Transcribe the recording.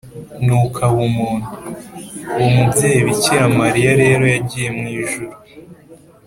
nuko aba umuntu“. uwo mubyeyi bikira mariya rero yagiye mu ijuru